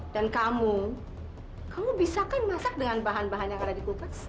dan kamu kamu bisa kan masak dengan bahan bahan yang ada di kulkas